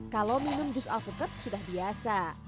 kalau minum jus alpukat sudah biasa